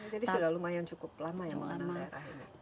jadi sudah lumayan cukup lama yang mengenai daerah ini